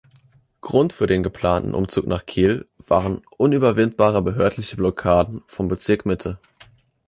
Grund für den geplanten Umzug nach Kiel waren unüberwindbare behördliche Blockaden vom Bezirk Mitte.